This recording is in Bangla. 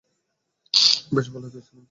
বেশ ভালোমতোই চিনতাম।